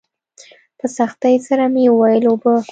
په سختۍ سره مې وويل اوبه.